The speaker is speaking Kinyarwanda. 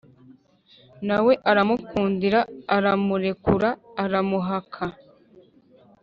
na we aramukundira aramurekura, aramuhaka,